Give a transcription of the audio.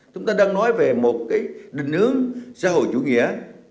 chúng ta đang nói về một cái định hướng xã hội chủ nghĩa